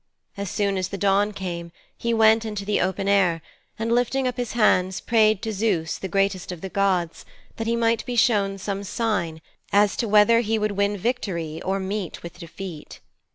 As soon as the dawn came, he went into the open air and, lifting up his hands, prayed to Zeus, the greatest of the gods, that he might be shown some sign, as to whether he would win victory or meet with defeat.